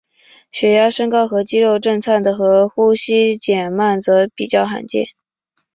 血压升高和肌肉震颤和呼吸减慢则较罕见。